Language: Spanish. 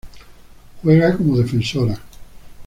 Juega como defensora.